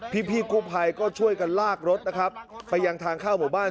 พี่กู้ภัยก็ช่วยกันลากรถนะครับไปยังทางเข้าหมู่บ้าน